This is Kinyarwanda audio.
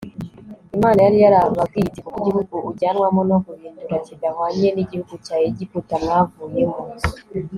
Imana yari yarababwiye iti Kuko igihugu ujyanwamo no guhindūra kidahwanye nigihugu cya Egiputa mwavuyemo